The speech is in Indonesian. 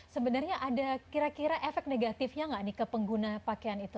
sebenarnya ada kira kira efek negatifnya nggak nih ke pengguna pakaian itu